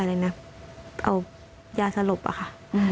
เอายาสลบอะค่ะ